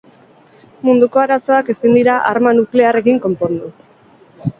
Munduko arazoak ezin dira arma nuklearrekin konpondu.